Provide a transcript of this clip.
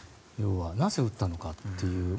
なぜ撃ったのかという。